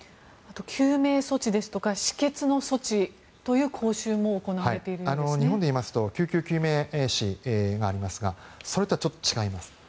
救命措置ですとか止血の措置という日本でいいますと救急救命士がありますがそれとはちょっと違います。